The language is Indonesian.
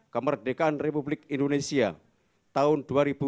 kemerdekaan republik indonesia tahun dua ribu delapan belas